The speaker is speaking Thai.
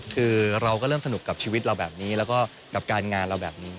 คือเราก็เริ่มสนุกกับชีวิตเราแบบนี้แล้วก็กับการงานเราแบบนี้